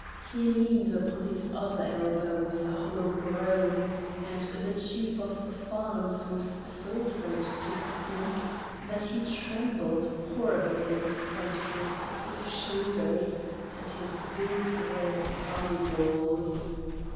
He leaned upon his other elbow with a hollow groan; and the Chief of Farms was so afraid to speak that he trembled horribly in spite of his thick shoulders and his big red eyeballs.